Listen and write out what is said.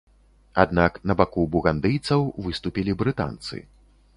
Аднак на баку бугандыйцаў выступілі брытанцы.